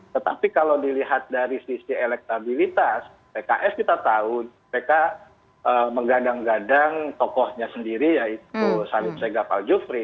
tetapi kalau dilihat dari sisi elektabilitas pks kita tahu mereka menggadang gadang tokohnya sendiri yaitu salim segaf al jufri